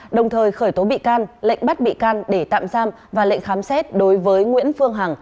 đồng thời khởi tố bị can lệnh bắt bị can để tạm giam và lệnh khám xét đối với nguyễn phương hằng